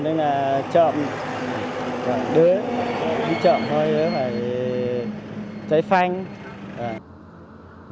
nên là chậm đi chậm thôi chạy phanh